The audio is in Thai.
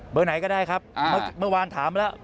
ไหนก็ได้ครับเมื่อวานถามแล้ว